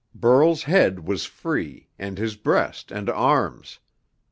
Burl's head was free, and his breast and arms.